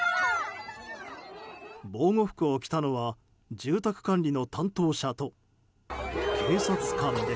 防護服を着たのは住宅管理の担当者と警察官で